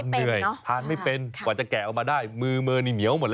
มันก่อนจะแกะออกมาได้มือนี่เหมียวมาก